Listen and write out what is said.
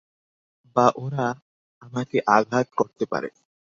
বা ওরা আমাকে আঘাত করতে পারে।